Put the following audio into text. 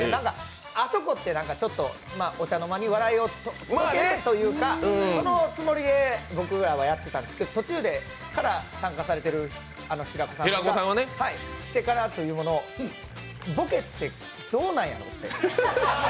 あそこって、お茶の間に笑いを届けるというかそのつもりで僕らはやってたんですけど、途中から参加されてる平子さんが来てからというもの、ボケってどうなんやろって。